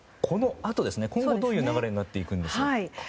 では、今後どういう流れになっていくんでしょうか。